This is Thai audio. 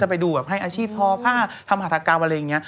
ไปดูแบบให้อาชีพทอผ้าทำหัฐกรรมอะไรอย่างนี้